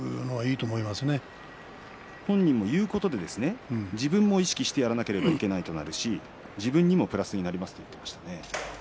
本人も言うことで自分も意識してやらなければいけないとなるし、自分にもプラスになりますと言っていました。